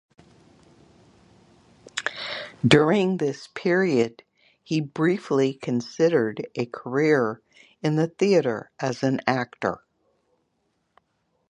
During this period he briefly considered a career in the theatre as an actor.